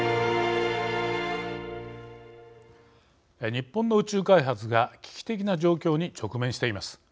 日本の宇宙開発が危機的な状況に直面しています。